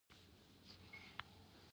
افغانستان کې د آب وهوا په اړه زده کړه کېږي.